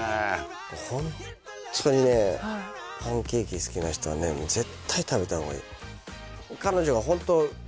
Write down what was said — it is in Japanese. これホントにねパンケーキ好きな人はね絶対食べた方がいい